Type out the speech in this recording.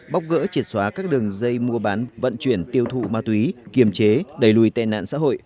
bóc gỡ triệt xóa các đường dây mua bán vận chuyển tiêu thụ ma túy kiềm chế đẩy lùi tệ nạn xã hội